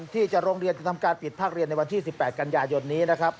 ที่จะทำการปิดภาคเรียนในวันที่๑๘กันยาวนี้นะครับ